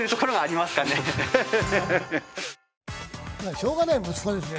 しょうがない息子ですね。